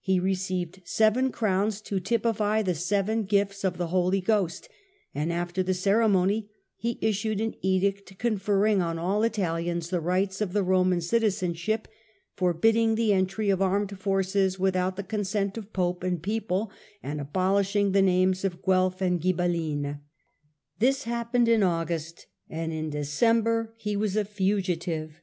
He received seven crowns to typify the seven gifts of the Holy Ghost, and after the ceremony he issued an edict conferring on all Italians the rights of Roman citizen ship, forbidding the entry of armed forces without the consent of Pope and people, and abohshing the names of Guelf and Ghibelline. This happened in August, and in December he was a fugitive.